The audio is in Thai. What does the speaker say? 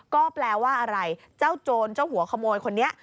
ก็แปลว่าอะไรเจ้าโจรเจ้าหัวขโมยคนนี้